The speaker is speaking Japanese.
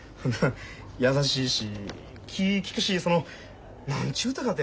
優しいし気ぃ利くしその何ちゅうたかてべっぴんや。